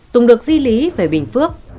tùng được di lý về bình phước